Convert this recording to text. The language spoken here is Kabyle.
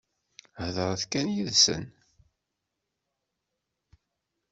Heḍṛemt kan yid-sen.